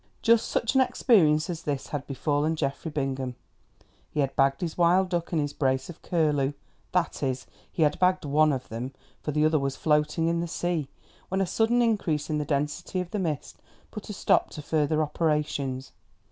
Just such an experience as this had befallen Geoffrey Bingham. He had bagged his wild duck and his brace of curlew—that is, he had bagged one of them, for the other was floating in the sea—when a sudden increase in the density of the mist put a stop to further operations.